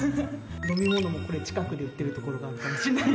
飲み物もこれ近くで売ってる所があるかもしんない。